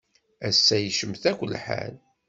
Ass-a yecmet akk lḥal.